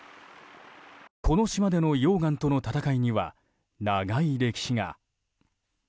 この島での溶岩との闘いには長い歴史が。